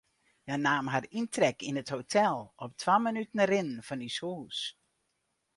Hja naam har yntrek yn it hotel, op twa minuten rinnen fan ús hûs.